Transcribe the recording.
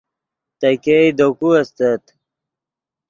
تے ګئے دے کو استت